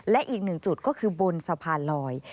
และอีกหนึ่งจุดก็คือบนสะพานลอย